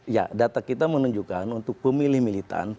ya data kita menunjukkan untuk pemilih militan